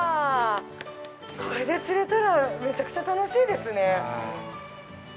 これで釣れたらめちゃくちゃ楽しいですね。